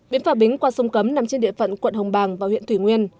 bến phà bính qua sông cấm nằm trên địa phận quận hồng bàng và huyện thủy nguyên